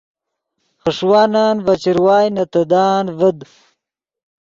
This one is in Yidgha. خݰوانن ڤے چروائے نے تیدان ڤد